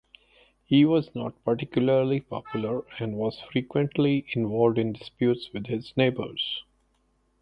He was not particularly popular and was frequently involved in disputes with his neighbours.